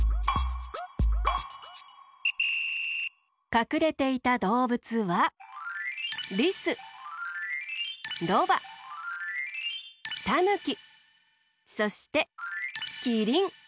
かくれていたどうぶつは「りす」「ろば」「たぬき」そして「きりん」。